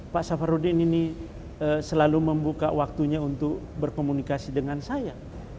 pak safarudin ini selalu membuka waktunya untuk berkomunikasi dengan saya